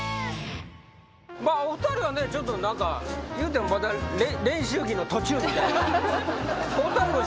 まあお二人はねちょっと何かいうてもまだ練習着の途中みたいな。